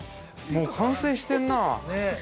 ◆もう完成してんなあ。